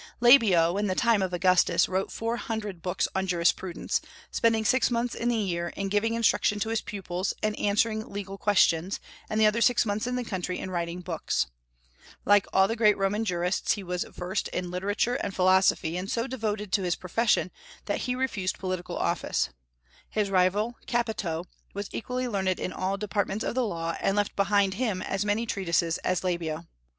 Labeo, in the time of Augustus, wrote four hundred books on jurisprudence, spending six months in the year in giving instruction to his pupils and in answering legal questions, and the other six months in the country in writing books. Like all the great Roman jurists, he was versed in literature and philosophy, and so devoted to his profession that he refused political office. His rival Capito was equally learned in all departments of the law, and left behind him as many treatises as Labeo.